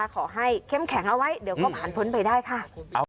เข้มแข็งเอาไว้เดี๋ยวก็ผ่านพ้นไปได้ค่ะ